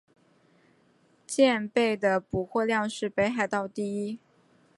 蚬贝的补获量是北海道第一。